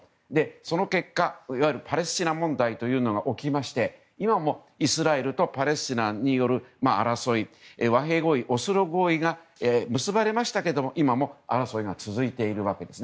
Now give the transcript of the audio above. その結果いわゆるパレスチナ問題が起きまして、今もイスラエルとパレスチナによる争いが、和平合意であるオスロ合意が結ばれましたが今も争いが続いているわけです。